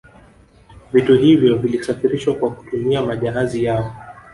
Vitu hivyo vilisafirishwa kwa kutumia majahazi yao